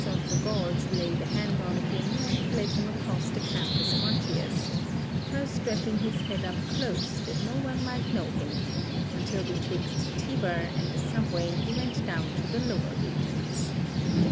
] of the gods laid a hand on him, and led him across the Campus Martius, first wrapping his head up close that no one might know him, until betwixt Tiber and the Subway he went down to the lower regions.